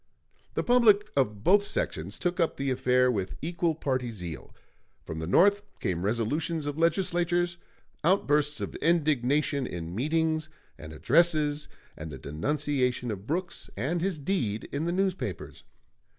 The public of both sections took up the affair with equal party zeal. From the North came resolutions of legislatures, outbursts of indignation in meetings and addresses, and the denunciation of Brooks and his deed in the newspapers.